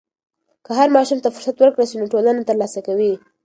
که هر ماشوم ته فرصت ورکړل سي، نو ټولنه ترلاسه کوي.